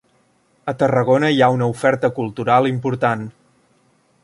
A Tarragona hi ha una oferta cultural important.